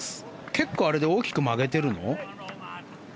結構あれで大きく曲げてるの？